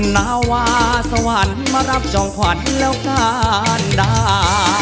นาวาสวรรค์มารับจองขวัญแล้วการด่า